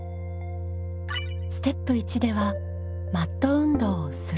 ステップ１ではマット運動を「する」